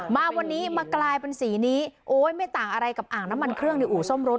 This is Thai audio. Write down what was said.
มาวันนี้มากลายเป็นสีนี้โอ๊ยไม่ต่างอะไรกับอ่างน้ำมันเครื่องในอู่ซ่อมรถ